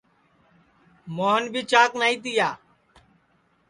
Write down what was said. موھن بھی چاک نائی تیا